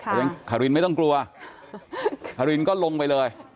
แต่ยังขารินไม่ต้องกลัวขารินก็ลงไปเลย